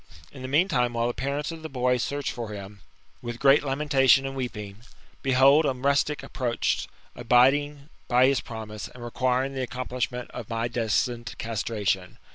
In the meantime, while the parents of the boy search for him, with great lamentation apd weeping, behold a rustic approached, abiding by his promise, and requiring the accom plishment of my destined castration.